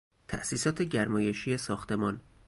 تاسیسات گرمایشی ساختمان